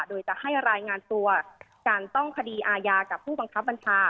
โดยจะให้รายงานตัวการต้องคดีอาญากับผู้บังคับบัญชา